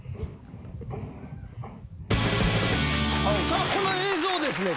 さあこの映像をですね